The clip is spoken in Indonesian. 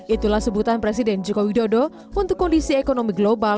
itulah sebutan presiden jokowi dodo untuk kondisi ekonomi global